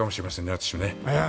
私ね。